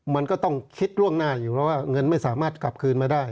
มันก็ต้องคิดล่วงหน้าอยู่เพราะว่าเงินไม่สามารถกลับคืนมาได้